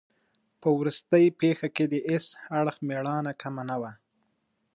په وروستۍ پېښه کې د هیڅ اړخ مېړانه کمه نه وه.